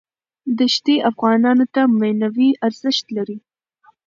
دښتې افغانانو ته معنوي ارزښت لري.